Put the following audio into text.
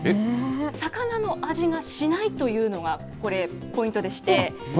魚の味がしないというのがこれ、ポイントでして。